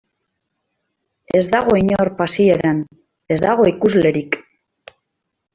Ez dago inor pasieran, ez dago ikuslerik.